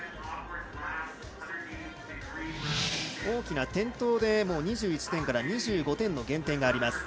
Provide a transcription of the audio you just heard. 大きな転倒でも２１点から２５点の減点。